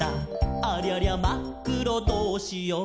「ありゃりゃ、まっくろどうしよー！？」